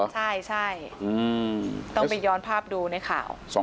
ใช่ต้องไปย้อนภาพดูในข่าว